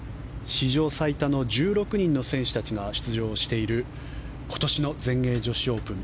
史上最多の１６人の選手たちが出場している今年の全英女子オープン。